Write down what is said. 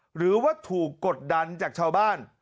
หรือว่าถูกกดดันจากชาวบ้าน